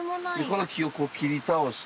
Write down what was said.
この木をこう切り倒して。